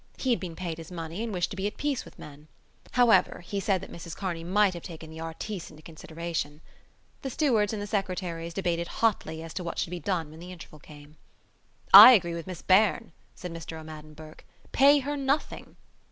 He had been paid his money and wished to be at peace with men. However, he said that Mrs Kearney might have taken the artistes into consideration. The stewards and the secretaries debated hotly as to what should be done when the interval came. "I agree with Miss Beirne," said Mr O'Madden Burke. "Pay her nothing."